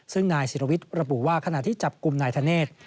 ซึ่งนายศิรวิทย์ระบุว่าขณะที่จับกลุ่มนายธเนธ